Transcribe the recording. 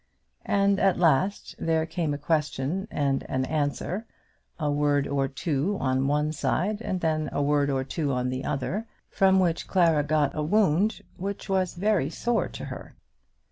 And at last there came a question and an answer, a word or two on one side, and then a word or two on the other, from which Clara got a wound which was very sore to her.